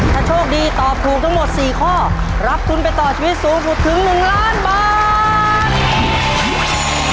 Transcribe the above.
ถ้าโชคดีตอบถูกทั้งหมด๔ข้อรับทุนไปต่อชีวิตสูงสุดถึง๑ล้านบาท